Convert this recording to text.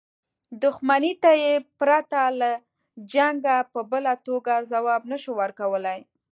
دښمنۍ ته یې پرته له جنګه په بله توګه ځواب نه شو ورکولای.